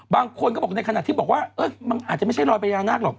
บางคนก็บอกในขณะที่บอกว่ามันอาจจะไม่ใช่รอยพญานาคหรอก